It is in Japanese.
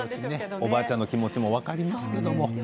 おばあちゃんの気持ちも分かりますけど。